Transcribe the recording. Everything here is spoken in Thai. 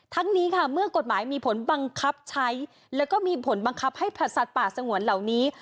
นี้ค่ะเมื่อกฎหมายมีผลบังคับใช้แล้วก็มีผลบังคับให้สัตว์ป่าสงวนเหล่านี้